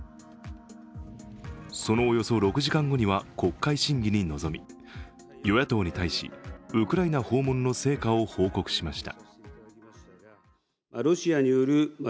そのおよそ６時間後には国会審議に臨み与野党に対し、ウクライナ訪問の成果を報告しました。